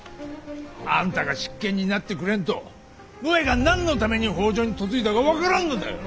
あんたが執権になってくれんとのえが何のために北条に嫁いだか分からんのだよ。